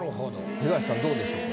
東さんどうでしょうか？